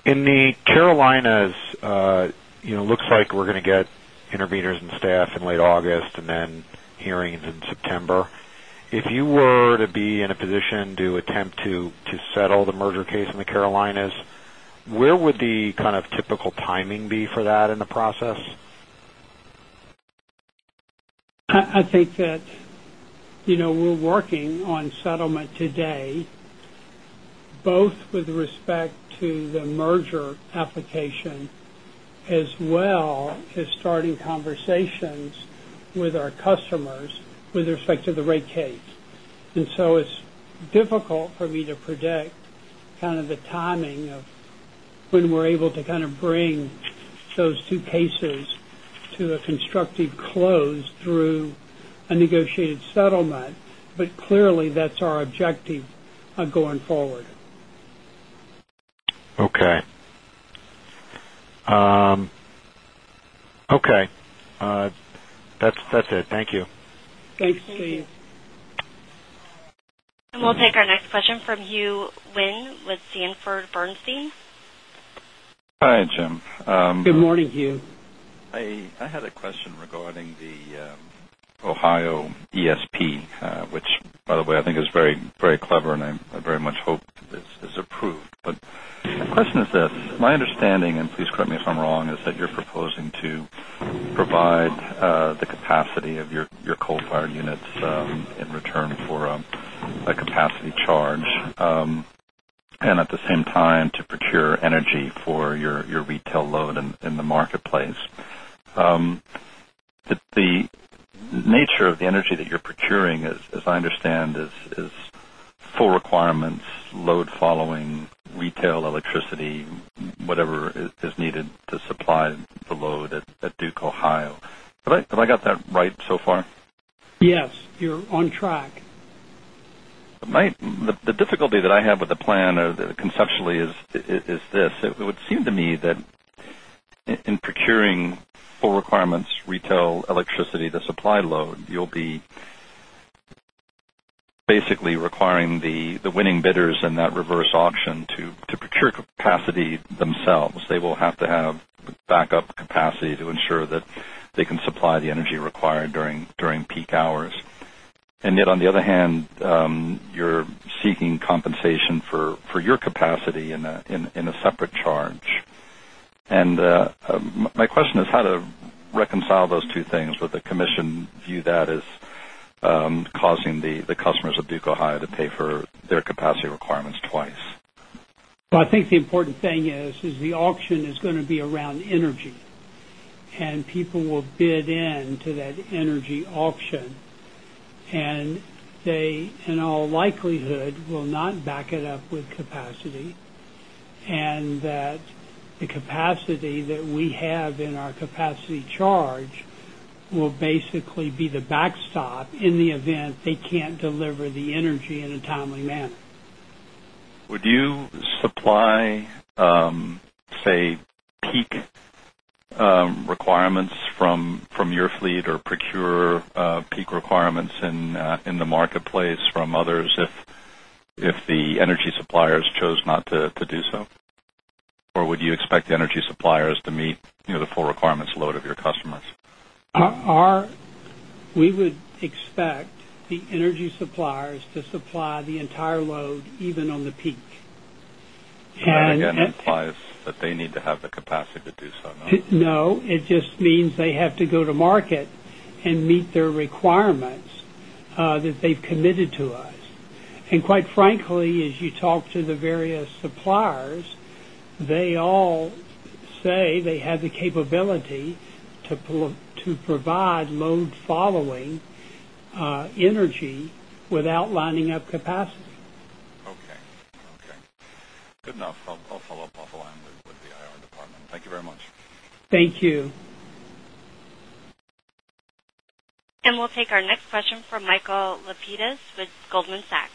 Speaker 7: In the Carolinas, you know, it looks like we're going to get interveners and staff in late August, and then hearings in September. If you were to be in a position to attempt to settle the merger case in the Carolinas, where would the kind of typical timing be for that in the process?
Speaker 3: I think that we're working on settlement today, both with respect to the merger application as well as starting conversations with our customers with respect to the rate case. It's difficult for me to predict the timing of when we're able to bring those two cases to a constructive close through a negotiated settlement. Clearly, that's our objective going forward.
Speaker 7: Okay. That's it. Thank you.
Speaker 3: Thanks, Steve.
Speaker 1: We will take our next question from Hugh Wynne with Sanford Bernstein.
Speaker 8: Hi, Jim.
Speaker 3: Good morning, Hugh.
Speaker 8: I had a question regarding the Ohio ESP, which, by the way, I think is very, very clever, and I very much hope that this is approved. My question is that my understanding, and please correct me if I'm wrong, is that you're proposing to provide the capacity of your coal-fired units in return for a capacity charge and at the same time to procure energy for your retail load in the marketplace. The nature of the energy that you're procuring, as I understand, is full requirements, load-following, retail electricity, whatever is needed to supply the load at Duke, Ohio. Have I got that right so far?
Speaker 3: Yes, you're on track.
Speaker 8: The difficulty that I have with the plan conceptually is this. It would seem to me that in procuring full requirements, retail electricity, the supply load, you'll be basically requiring the winning bidders in that reverse auction to procure capacity themselves. They will have to have backup capacity to ensure that they can supply the energy required during peak hours. Yet, on the other hand, you're seeking compensation for your capacity in a separate charge. My question is how to reconcile those two things, whether the commission views that as causing the customers of Duke Energy, Ohio, to pay for their capacity requirements twice.
Speaker 3: I think the important thing is the auction is going to be around energy, and people will bid in to that energy auction. They, in all likelihood, will not back it up with capacity, and the capacity that we have in our capacity charge will basically be the backstop in the event they can't deliver the energy in a timely manner.
Speaker 8: Would you supply, say, peak requirements from your fleet or procure peak requirements in the marketplace from others if the energy suppliers chose not to do so? Would you expect the energy suppliers to meet, you know, the full requirements load of your customers?
Speaker 3: We would expect the energy suppliers to supply the entire load, even on the peak.
Speaker 8: It implies that they need to have the capacity to do so, no?
Speaker 3: No. It just means they have to go to market and meet their requirements that they've committed to us. Quite frankly, as you talk to the various suppliers, they all say they have the capability to provide load-following energy without lining up capacity.
Speaker 8: Okay. Good enough. I'll follow up offline with the IR department. Thank you very much.
Speaker 3: Thank you.
Speaker 1: We will take our next question from Michael Lapides with Goldman Sachs.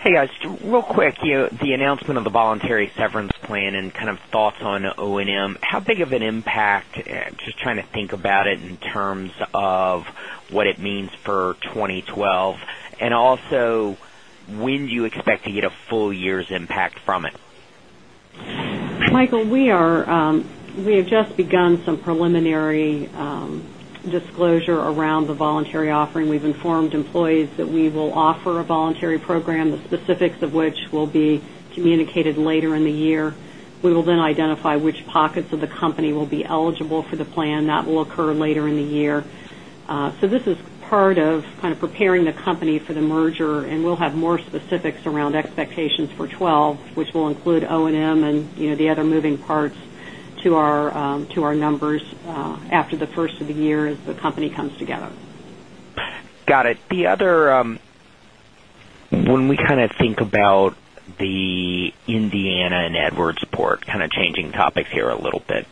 Speaker 9: Hey, guys. Real quick, the announcement of the voluntary severance plan and kind of thoughts on O&M, how big of an impact? Just trying to think about it in terms of what it means for 2012. Also, when do you expect to get a full year's impact from it?
Speaker 4: Michael, we have just begun some preliminary disclosure around the voluntary offering. We've informed employees that we will offer a voluntary program, the specifics of which will be communicated later in the year. We will then identify which pockets of the company will be eligible for the plan. That will occur later in the year. This is part of preparing the company for the merger, and we'll have more specifics around expectations for 2012, which will include O&M and the other moving parts to our numbers after the first of the year as the company comes together.
Speaker 9: Got it. The other, when we kind of think about the Indiana and Edwardsport, kind of changing topics here a little bit,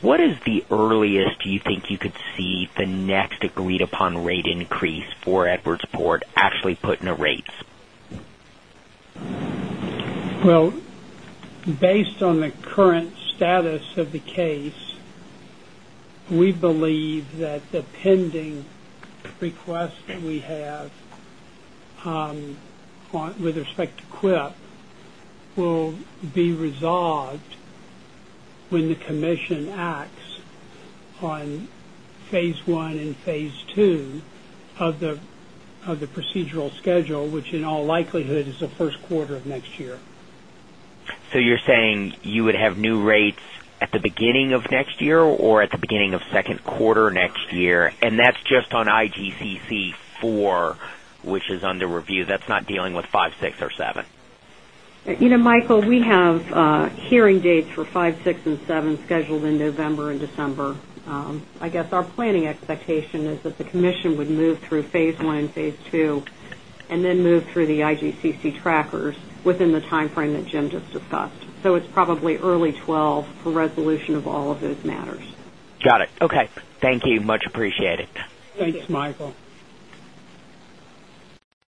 Speaker 9: what is the earliest you think you could see the next agreed-upon rate increase for Edwardsport actually put into rates?
Speaker 3: Based on the current status of the case, we believe that the pending request that we have with respect to CWIP will be resolved when the commission acts on phase one and phase two of the procedural schedule, which in all likelihood is the first quarter of next year.
Speaker 9: You are saying you would have new rates at the beginning of next year or at the beginning of the second quarter next year, and that's just on IGCC-4, which is under review. That's not dealing with five, six, or seven?
Speaker 4: You know, Michael, we have hearing dates for five, six, and seven scheduled in November and December. I guess our planning expectation is that the commission would move through phase one and phase two and then move through the IGCC trackers within the timeframe that Jim just discussed. It's probably early 2012 for resolution of all of those matters.
Speaker 9: Got it. Okay, thank you. Much appreciated.
Speaker 3: Thanks, Michael.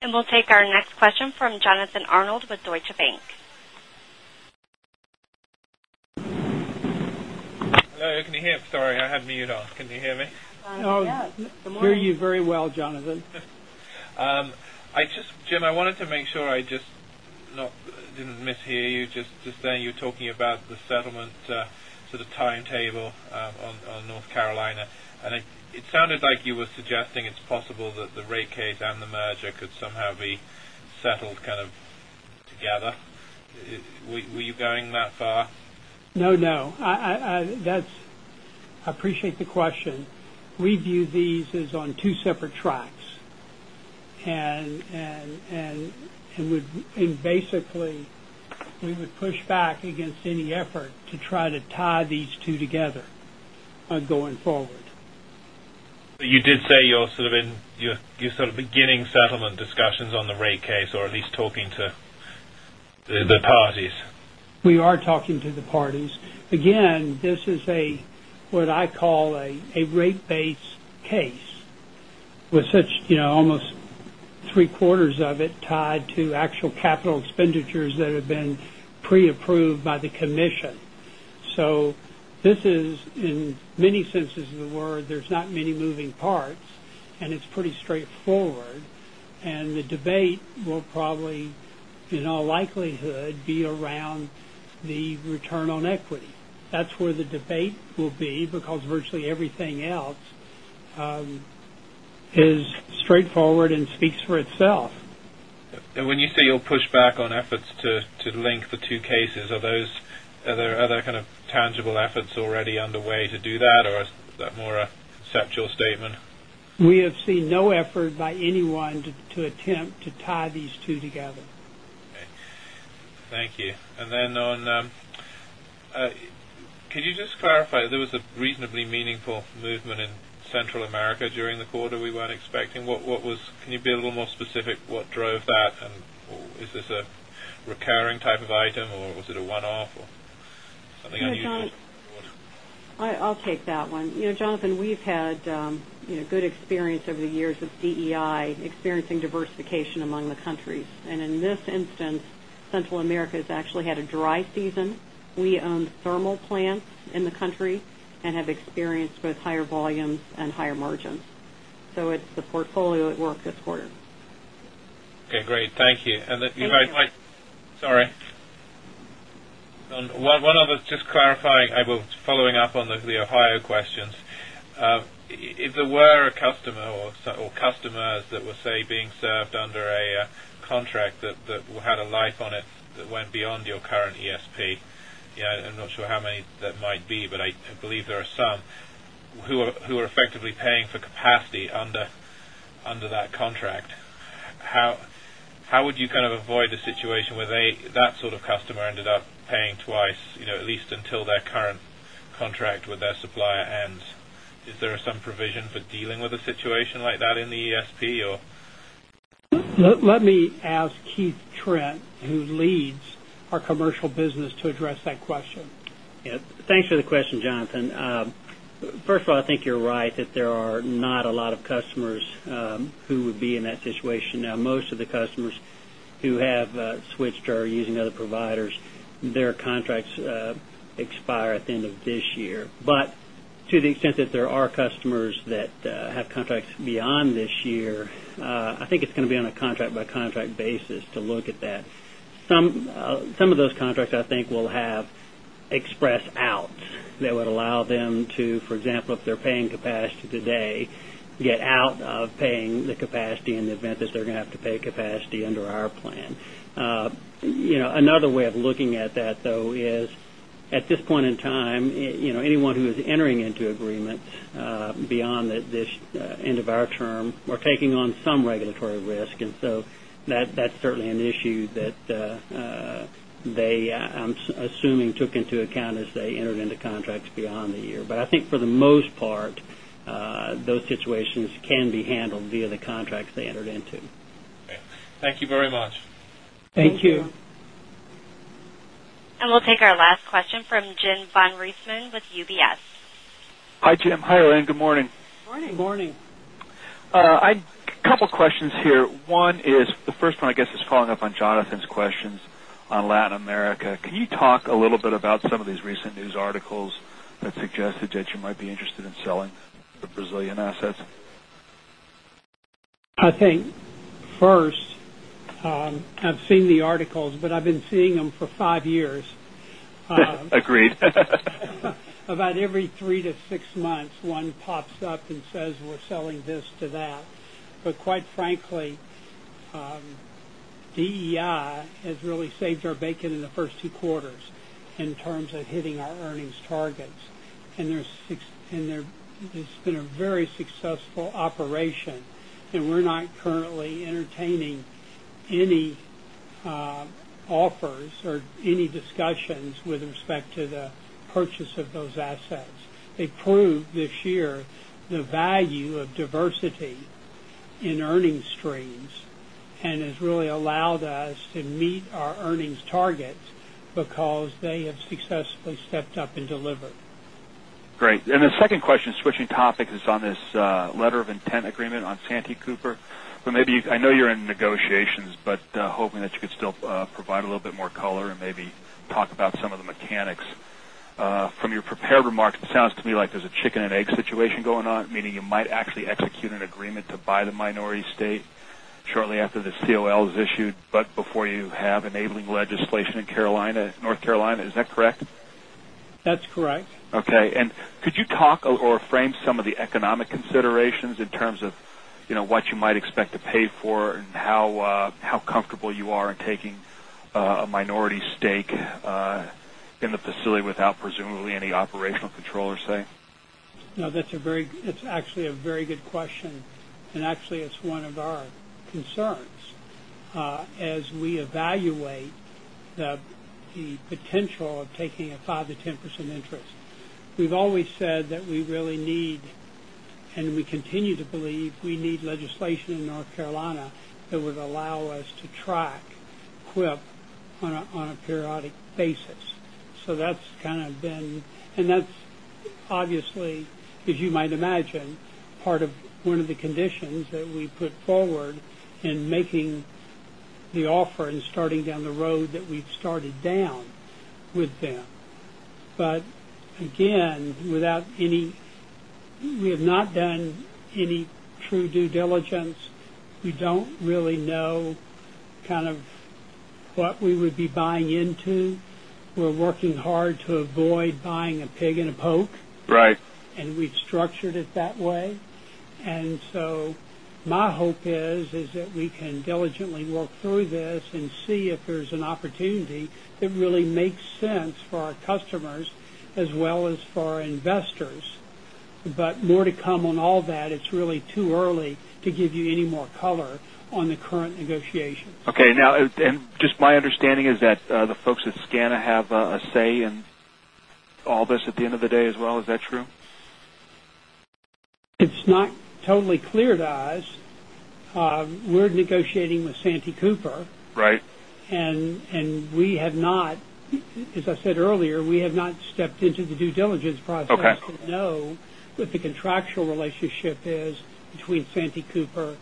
Speaker 1: We will take our next question from Jonathan Arnold with Deutsche Bank.
Speaker 10: Hello. Can you hear me? Sorry, I had mute off. Can you hear me?
Speaker 3: Yeah, I hear you very well, Jonathan.
Speaker 10: Jim, I wanted to make sure I didn't mishear you. You're talking about the settlement to the timetable on North Carolina, and it sounded like you were suggesting it's possible that the rate case and the merger could somehow be settled together. Were you going that far?
Speaker 3: I appreciate the question. We view these as on two separate tracks. We would push back against any effort to try to tie these two together going forward.
Speaker 10: You did say you're sort of in, you're sort of beginning settlement discussions on the rate case or at least talking to the parties?
Speaker 3: We are talking to the parties. This is what I call a rate-based case with, you know, almost three-quarters of it tied to actual capital expenditures that have been pre-approved by the commission. In many senses of the word, there's not many moving parts, and it's pretty straightforward. The debate will probably, in all likelihood, be around the return on equity. That's where the debate will be because virtually everything else is straightforward and speaks for itself.
Speaker 10: When you say you'll push back on efforts to link the two cases, are there other kind of tangible efforts already underway to do that, or is that more a conceptual statement?
Speaker 3: We have seen no effort by anyone to attempt to tie these two together.
Speaker 10: Thank you. Could you just clarify that there was a reasonably meaningful movement in Central America during the quarter we weren't expecting? What was it? Can you be a little more specific? What drove that? Is this a recurring type of item, or was it a one-off or something unusual?
Speaker 4: I'll take that one. You know, Jonathan, we've had good experience over the years of DEI experiencing diversification among the countries. In this instance, Central America has actually had a dry season. We own thermal plants in the country and have experienced both higher volumes and higher margins. It's the portfolio at work this quarter.
Speaker 10: Okay. Great. Thank you. You might.
Speaker 4: And.
Speaker 10: Sorry. One other just clarifying, I was following up on the Ohio questions. If there were a customer or customers that were, say, being served under a contract that had a life on it that went beyond your current ESP, I'm not sure how many that might be, but I believe there are some who are effectively paying for capacity under that contract. How would you kind of avoid the situation where that sort of customer ended up paying twice, at least until their current contract with their supplier ends? Is there some provision for dealing with a situation like that in the ESP, or?
Speaker 3: Let me ask Keith Trent, who leads our Commercial business, to address that question.
Speaker 11: Yeah. Thanks for the question, Jonathan. First of all, I think you're right that there are not a lot of customers who would be in that situation. Now, most of the customers who have switched or are using other providers, their contracts expire at the end of this year. To the extent that there are customers that have contracts beyond this year, I think it's going to be on a contract-by-contract basis to look at that. Some of those contracts, I think, will have express outs that would allow them to, for example, if they're paying capacity today, to get out of paying the capacity in the event that they're going to have to pay capacity under our plan. Another way of looking at that, though, is at this point in time, anyone who is entering into agreement beyond this end of our term, we're taking on some regulatory risk. That is certainly an issue that they, I'm assuming, took into account as they entered into contracts beyond the year. I think for the most part, those situations can be handled via the contracts they entered into.
Speaker 10: Okay, thank you very much.
Speaker 11: Thank you.
Speaker 1: We'll take our last question from Jim von Riesemann with UBS.
Speaker 12: Hi, Jim. Hi, Lynn. Good morning.
Speaker 4: Morning.
Speaker 3: Good morning.
Speaker 12: I have a couple of questions here. One is, the first one, I guess, is following up on Jonathan's questions on Latin America. Can you talk a little bit about some of these recent news articles that suggested that you might be interested in selling the Brazilian assets?
Speaker 3: I think, first, I've seen the articles, but I've been seeing them for five years.
Speaker 12: Agreed.
Speaker 3: About every three to six months, one pops up and says, "We're selling this to that." Quite frankly, DEI has really saved our bacon in the first two quarters in terms of hitting our earnings targets. There's been a very successful operation. We're not currently entertaining any offers or any discussions with respect to the purchase of those assets. They proved this year the value of diversity in earnings streams and have really allowed us to meet our earnings targets because they have successfully stepped up and delivered.
Speaker 12: Great. The second question, switching topics, is on this letter of intent agreement on Santee Cooper. I know you're in negotiations, but hoping that you could still provide a little bit more color and maybe talk about some of the mechanics. From your prepared remarks, it sounds to me like there's a chicken-and-egg situation going on, meaning you might actually execute an agreement to buy the minority stake shortly after the COL is issued, but before you have enabling legislation in North Carolina. Is that correct?
Speaker 3: That's correct.
Speaker 12: Could you talk or frame some of the economic considerations in terms of what you might expect to pay for and how comfortable you are in taking a minority stake in the facility without presumably any operational control or say?
Speaker 3: That's a very good question. It's actually one of our concerns as we evaluate the potential of taking a 5%-10% interest. We've always said that we really need, and we continue to believe we need, legislation in North Carolina that would allow us to track CWIP on a periodic basis. That's kind of been, and that's obviously, as you might imagine, part of one of the conditions that we put forward in making the offer and starting down the road that we've started down with them. Again, without any, we have not done any true due diligence. We don't really know what we would be buying into. We're working hard to avoid buying a pig in a poke.
Speaker 12: Right.
Speaker 3: We have structured it that way. My hope is that we can diligently look through this and see if there's an opportunity that really makes sense for our customers as well as for our investors. More to come on all that. It's really too early to give you any more color on the current negotiations.
Speaker 12: Okay. Now, just my understanding is that the folks at SCANA have a say in all this at the end of the day as well. Is that true?
Speaker 3: It's not totally clear to us. We're negotiating with Santee Cooper.
Speaker 12: Right.
Speaker 3: We have not, as I said earlier, stepped into the due diligence process to know what the contractual relationship is between Santee Cooper and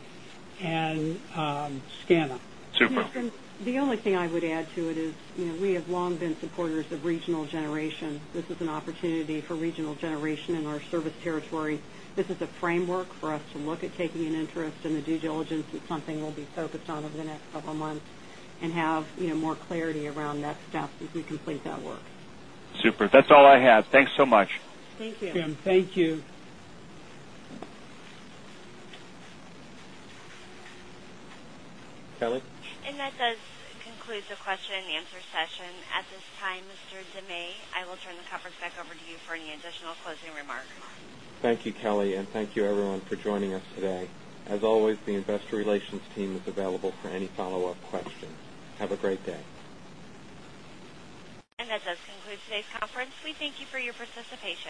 Speaker 3: Scana.
Speaker 12: Super.
Speaker 4: The only thing I would add to it is, you know, we have long been supporters of regional generation. This is an opportunity for regional generation in our service territory. This is a framework for us to look at taking an interest in the due diligence. It's something we'll be focused on over the next couple of months and have more clarity around that step if we complete that work.
Speaker 12: Super. That's all I had. Thanks so much.
Speaker 4: Thank you. Jim, thank you.
Speaker 1: That concludes the question and answer session. At this time, Mr. De May, I will turn the conference back over to you for any additional closing remarks.
Speaker 2: Thank you, Kelly, and thank you, everyone, for joining us today. As always, the Investor Relations team is available for any follow-up questions. Have a great day. That does conclude today's conference. We thank you for your participation.